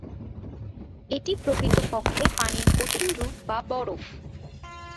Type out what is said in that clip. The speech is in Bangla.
এটি প্রকৃতপক্ষে পানির কঠিন রূপ বা বরফ।